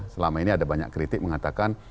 selama ini ada banyak kritik mengatakan